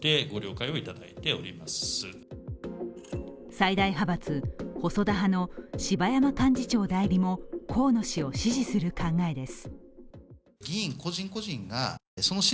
最大派閥、細田派の柴山幹事長代理も、河野氏を支持する考えです。